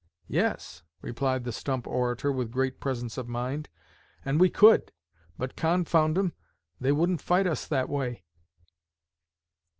"Yes," replied the stump orator, with great presence of mind, "and we could, but, confound 'em, they wouldn't fight us that way."